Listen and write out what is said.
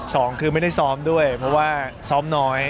สองคือไม่ได้ซ้อมด้วยเพราะว่าซ้อมน้อย